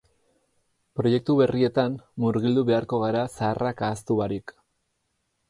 Proiektu berrietan murgildu beharko gara zaharrak ahaztu barik.